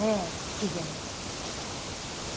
期限。